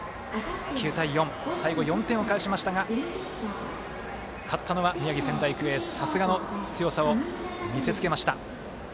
９対４最後は４点を返しましたが勝ったのは宮城、仙台育英さすがの強さを見せつけました。